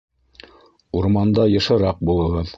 Урманда йышыраҡ булығыҙ!